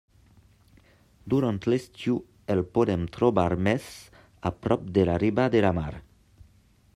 Durant l'estiu el podem trobar més a prop de la riba de la mar.